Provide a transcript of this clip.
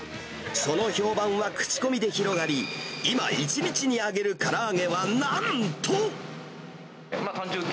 その評判は口コミで広がり、今、１日に揚げるから揚げはなんと。